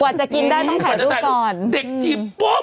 กว่าจะกินได้ต้องถ่ายรูปก่อน